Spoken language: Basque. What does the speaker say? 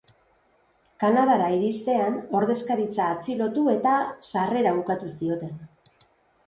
Kanadara iristean, ordezkaritza atxilotu eta sarrera ukatu zioten.